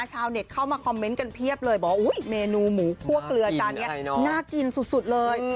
ชาวเน็ตเข้ามาคอมเมนต์กันเพียบเลยบอกว่าเมนูหมูคั่วเกลือจานนี้น่ากินสุดเลย